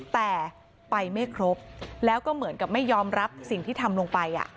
แต่ไปไม่ครบแล้วก็เหมือนกับไม่ยอมรับสิ่งที่ทำลงไป